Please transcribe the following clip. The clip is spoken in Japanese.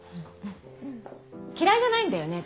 嫌いじゃないんだよね。